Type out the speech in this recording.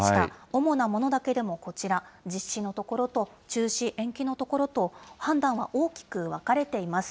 主なものだけでもこちら、実施のところと、中止・延期の所と、判断は大きく分かれています。